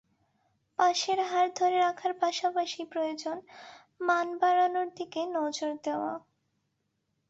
পাসের হার ধরে রাখার পাশাপাশি প্রয়োজন মান বাড়ানোর দিকে নজর দেওয়া।